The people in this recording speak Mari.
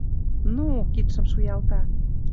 Ну! — кидшым шуялта.